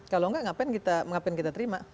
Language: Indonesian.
kalau enggak ngapain kita terima